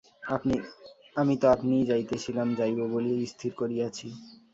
আমি তো আপনিই যাইতেছিলাম, যাইব বলিয়াই স্থির করিয়াছি।